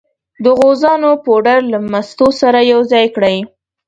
د غوزانو پوډر له مستو سره یو ځای کړئ.